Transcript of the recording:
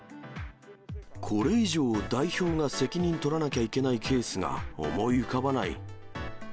これ以上代表が責任取らなきゃいけないケースが思い浮かばない。